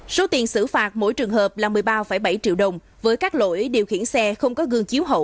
số tiền xử phạt mỗi trường hợp là một mươi ba bảy triệu đồng với các lỗi điều khiển xe không có gương chiếu hậu